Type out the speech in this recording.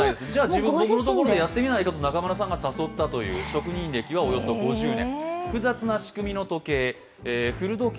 自分のところでやってみないかと中村さんが誘ったという職人歴はおよそ５０年。